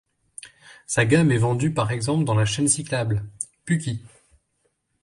Sa gamme est vendue par exemple dans la chaine Cyclable: Puky.